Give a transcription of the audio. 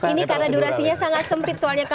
ini karena durasinya sangat sempit soalnya